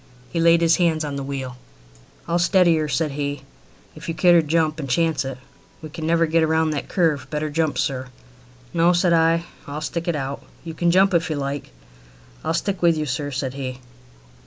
He laid his hands on the wheel. "I'll keep her steady," said he, "if you care to jump and chance it. We can never get round that curve. Better jump, sir." "No," said I; "I'll stick it out. You can jump if you like." "I'll stick it with you, sir," said he.